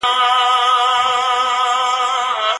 خپلې خبرې په ساده او هنري ژبه بیان کړئ.